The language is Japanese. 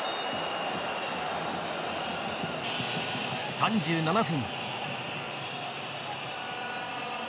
３７分。